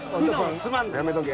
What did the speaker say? やめとけ。